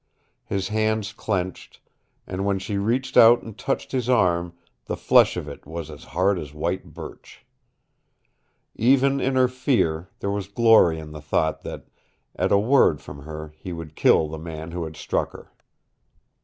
His hands clenched, and when she reached out and touched his arm the flesh of it was as hard as white birch. Even in her fear there was glory in the thought that at a word from her he would kill the man who had struck her.